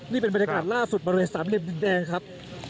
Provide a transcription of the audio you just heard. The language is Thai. นี่เป็นบรรยากาศล่าสุดบริเวณสามเหลี่ยมดินแดงครับ